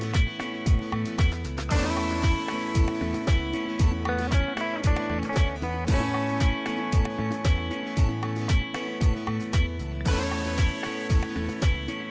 ฝีมือการน้ำตาเยาหลด